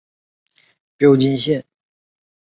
标津线。